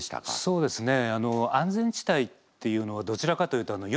そうですね